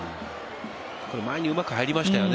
前にうまく入りましたよね。